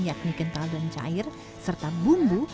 yakni kental dan cair serta bumbu